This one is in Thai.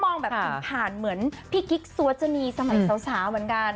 มองแบบผ่านเหมือนพี่กิ๊กซัวจนีสมัยสาวเหมือนกัน